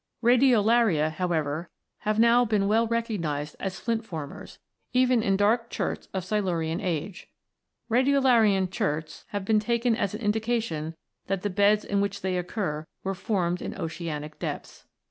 Radiolaria, however, have now been well recognised as flint formers, even in dark "cherts" of Silurian age. Radiolarian cherts have been taken as an indication that the beds in which they occur were formed in oceanic depths.